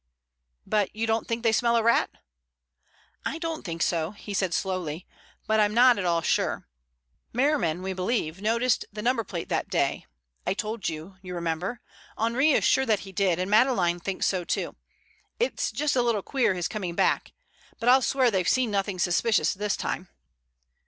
"But you don't think they smell a rat?" "I don't think so," he said slowly, "but I'm not at all sure. Merriman, we believe, noticed the number plate that day. I told you, you remember. Henri is sure that he did, and Madeleine thinks so too. It's just a little queer his coming back. But I'll swear they've seen nothing suspicious this time."